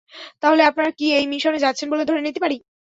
তাহলে, আপনারা কি এই মিশনে যাচ্ছেন বলে ধরে নিতে পারি?